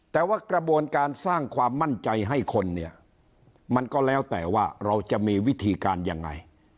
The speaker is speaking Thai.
แต่ว่ากระบวนการสร้างความมั่นใจให้คนเนี่ยมันก็แล้วแต่ว่าเราจะมีวิธีการยังไง